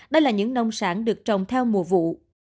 đây là những nông sản được trồng theo mùa vụ